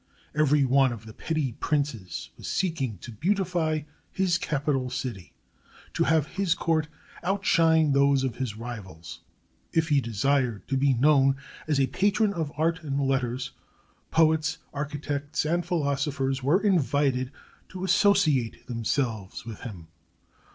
Every one of the petty princes was seeking to beautify his capital city, to have his court outshine those of his rivals. If he desired to be known as a patron of art and letters, poets, architects, and philosophers were invited to associate themselves with him.